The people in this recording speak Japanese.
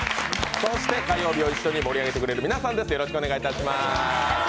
そして火曜日を一緒に盛り上げてくれる皆さんです。